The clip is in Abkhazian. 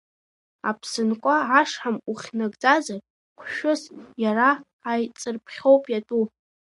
Аԥсынкәа ашҳам ухьнагӡазар, хәшәыс иара аиҵырԥхьоуп иатәу.